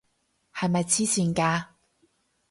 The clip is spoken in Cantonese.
係咪癡線㗎？